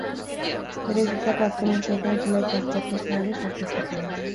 Bere bizitzako azken urteetan zenbait gazte-orkestra ere sortu zituen.